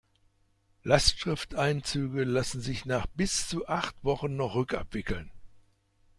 Lastschrifteinzüge lassen sich nach bis zu acht Wochen noch rückabwickeln.